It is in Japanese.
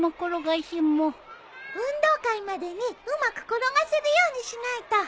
運動会までにうまく転がせるようにしないと。